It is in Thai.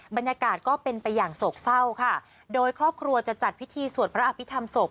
บรรยากาศก็เป็นไปอย่างโศกเศร้าค่ะโดยครอบครัวจะจัดพิธีสวดพระอภิษฐรรศพ